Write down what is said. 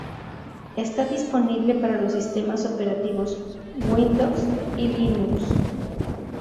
Está disponible para los sistemas operativos Windows y Linux.